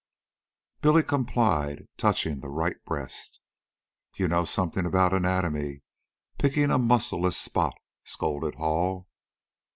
Billy complied, touching the right breast. "You know something about anatomy, picking a muscleless spot," scolded Hall.